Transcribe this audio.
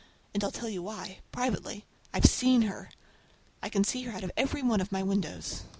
And I'll tell you why—privately—I've seen her! I can see her out of every one of my windows!